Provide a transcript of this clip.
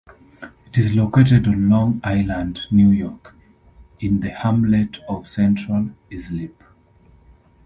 It is located on Long Island, New York, in the hamlet of Central Islip.